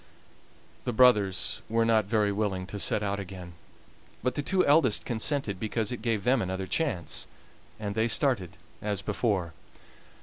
The brothers were not very willing to set out again, but the two eldest consented because it gave them another chance, and they started as before.